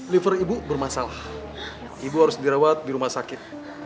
liver ibu bermasalah ibu harus dirawat di rumah sakit